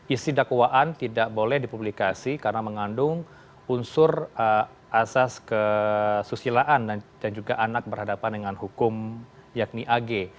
isi dakwaan tidak boleh dipublikasi karena mengandung unsur asas kesusilaan dan juga anak berhadapan dengan hukum yakni ag